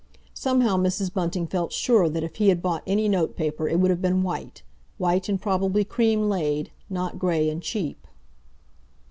Somehow Mrs. Bunting felt sure that if he had bought any notepaper it would have been white—white and probably cream laid—not grey and cheap.